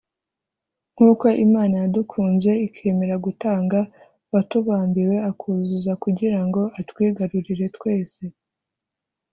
nk’uko Imana yadukunze ikemera gutanga uwatubambiwe akazuka kugira ngo atwigarurire twese